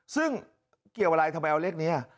ซึ่งเกี่ยวอะไรทำไมเอาเลขนี้